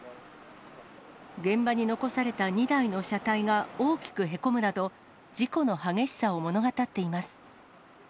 現場に残された２台の車体が大きくへこむなど、事故の激しさを物語っています。